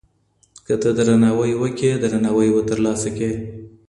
که ته درناوی وکړې، درناوی به ترلاسه کړې.